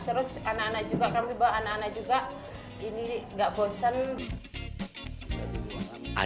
terus anak anak juga kami bawa anak anak juga ini gak bosen